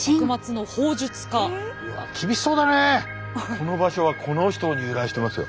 この場所はこの人に由来してますよ。